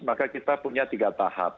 maka kita punya tiga tahap